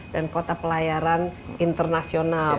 dan kota pelayaran internasional